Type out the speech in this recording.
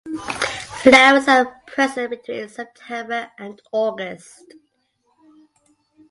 Flowers are present between September and August.